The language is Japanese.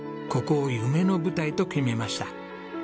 ここを夢の舞台と決めました。